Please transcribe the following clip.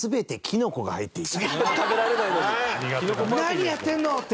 何やってんの！って。